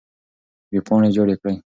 وېبپاڼې جوړې کړئ.